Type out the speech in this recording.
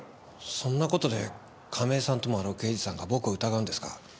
そんな事で亀井さんともあろう刑事さんが僕を疑うんですか？